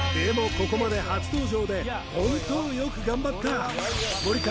ここまで初登場でホントよく頑張った森田